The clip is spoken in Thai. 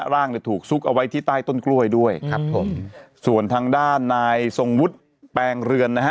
ร่างเนี่ยถูกซุกเอาไว้ที่ใต้ต้นกล้วยด้วยครับผมส่วนทางด้านนายทรงวุฒิแปลงเรือนนะฮะ